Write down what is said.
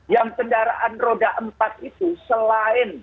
yang kendaraan roda empat itu selain